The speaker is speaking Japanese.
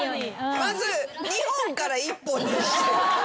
まず２本から１本にしてまず。